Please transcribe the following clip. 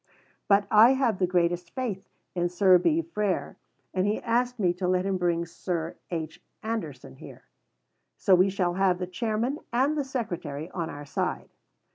But I have the greatest faith in Sir B. Frere, and he asked me to let him bring Sir H. Anderson here; so we shall have the Chairman and the Secretary on our side.